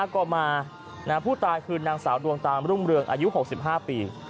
ก็มาผู้ตายคือนางสาวดวงตามรุ่งเรืองอายุ๖๕ปี